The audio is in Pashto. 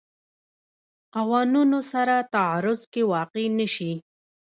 قوانونو سره تعارض کې واقع نه شي.